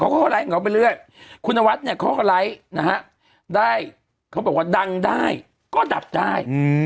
เขาก็ไลฟ์ของเขาไปเรื่อยคุณนวัดเนี่ยเขาก็ไลฟ์นะฮะได้เขาบอกว่าดังได้ก็ดับได้